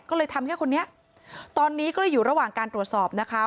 ก็เลยทำให้คนนี้ตอนนี้ก็เลยอยู่ระหว่างการตรวจสอบนะคะ